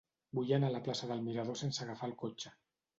Vull anar a la plaça del Mirador sense agafar el cotxe.